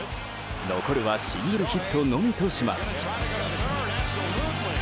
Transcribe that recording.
残るはシングルヒットのみとします。